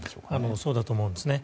そうだと思うんですね。